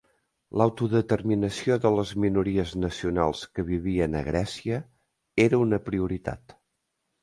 L'autodeterminació de les minories nacionals que vivien a Grècia era una prioritat.